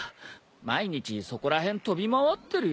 毎日そこら辺飛び回ってるよ。